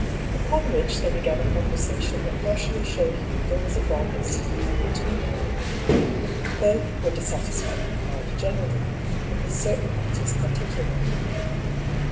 Upon which they began a conversation that partially showed Hugh there was a bond of sympathy between them. Both were dissatisfied with life generally, and with cer tain matters particularly.